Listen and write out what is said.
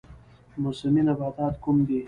موسمي نباتات کوم دي؟